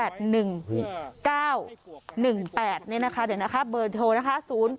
เดี๋ยวนะคะเบอร์โทร๐๘๑๙๘๐๗๖๙๒ค่ะ